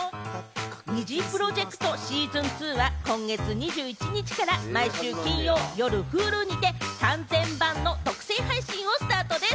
ＮｉｚｉＰｒｏｊｅｃｔＳｅａｓｏｎ２は、今月２１日から毎週金曜夜、Ｈｕｌｕにて完全版の独占配信をスタートです。